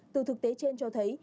từ thực tế trên cho thấy